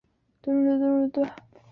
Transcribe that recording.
内蒙古自治区地区生产总值